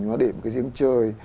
nó để một cái riêng trời